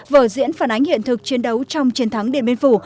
vở diễn phản ánh hiện thực chiến đấu trong chiến thắng điện biên phủ